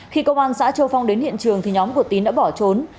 khi công an xã châu phong đến hiện trường thì nhóm của tín đã bỏ trốn